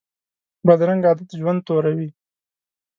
بدرنګه عادت ژوند توروي